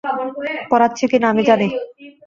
পড়াচ্ছি কিনা, আমি জানি।